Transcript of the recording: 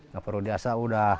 gak perlu ya